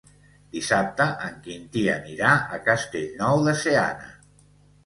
Dissabte en Quintí anirà a Castellnou de Seana.